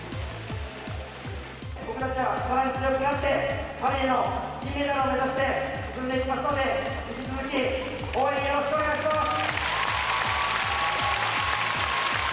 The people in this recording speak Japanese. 僕たちはさらに強くなって、パリの金メダルを目指して進んでいきますので、引き続き応援よろしくお願いします。